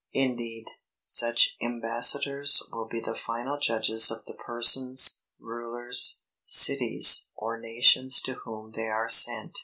Indeed, such embassadors will be the final judges of the persons, rulers, cities or nations to whom they are sent.